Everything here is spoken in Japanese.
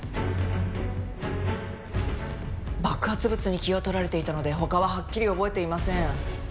爆発物に気を取られていたので他ははっきり覚えていません。